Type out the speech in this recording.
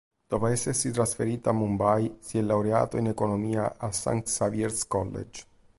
Dopo essersi trasferito a Mumbai si è laureato in economia al St. Xavier's College.